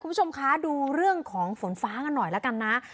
คุณผู้ชมคะดูเรื่องของฝนฟ้ากันหน่อยแล้วกันนะ